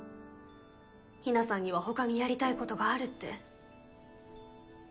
日奈さんには他にやりたいことがあるって。